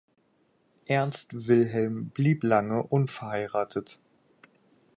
Ernst Wilhelm blieb lange unverheiratet.